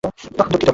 ওহ, দুঃখিত!